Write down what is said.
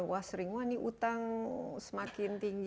wah sering wah ini utang semakin tinggi